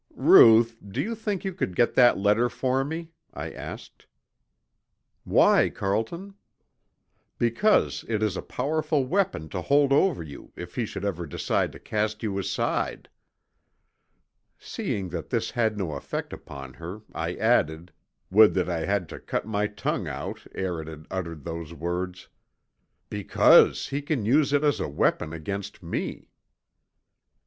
"Ruth, do you think you could get that letter for me?" I asked. "Why, Carlton?" "Because it is a powerful weapon to hold over you if he should ever decide to cast you aside." Seeing that this had no effect upon her, I added would that I had cut my tongue out ere it had uttered those words! "because he can use it as a weapon against me."